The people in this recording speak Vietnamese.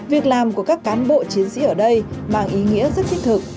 việc làm của các cán bộ chiến sĩ ở đây mang ý nghĩa rất thiết thực